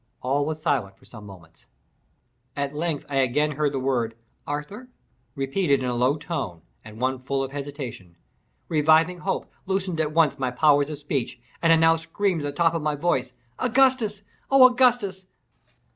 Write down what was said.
All was silent for some moments. At length I again heard the word "Arthur!" repeated in a low tone, and one full of hesitation. Reviving hope loosened at once my powers of speech, and I now screamed at the top of my voice, "Augustus! oh, Augustus!"